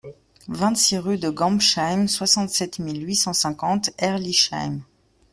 vingt-six rue de Gambsheim, soixante-sept mille huit cent cinquante Herrlisheim